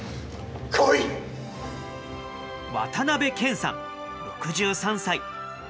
渡辺謙さん６３歳。